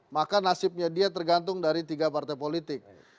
maka nasibnya dia tergantung dari tiga partai politik